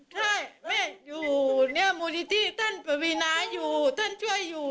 ใช่แม่อยู่เนี่ยมูลนิธิท่านปวีนาอยู่ท่านช่วยอยู่